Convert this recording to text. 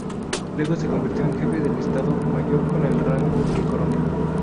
Luego se convirtió en jefe del Estado Mayor con el rango de coronel.